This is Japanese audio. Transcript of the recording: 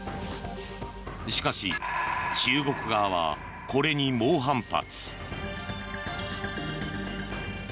しかし、中国側はこれに猛反発。